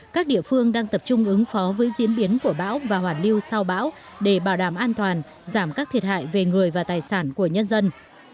các địa phương đang tập trung ứng phó với diễn biến của bão và hoàn lưu sau bão để bảo đảm an toàn giảm các thiệt hại về người và tài sản của nhân dân